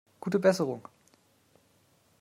Gute Besserung!